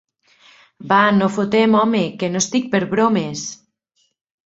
Va, no fotem, home, que no estic per bromes!